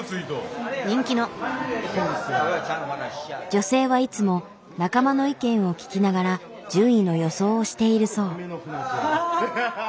女性はいつも仲間の意見を聞きながら順位の予想をしているそう。